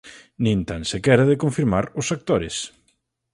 Nin tan sequera de confirmar os actores.